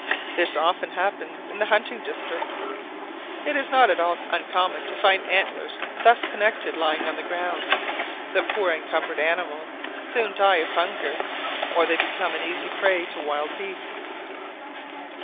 This often happens in the hunting districts. It is not at all uncommon to find antlers thus connected lying on the ground; the poor encumbered animals soon die of hunger, or they become an easy prey to wild beasts.